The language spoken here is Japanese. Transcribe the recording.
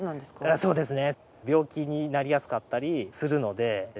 そうですね。